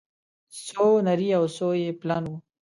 څو نري او څو يې پلن وه